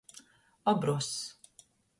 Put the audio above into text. Obruozs.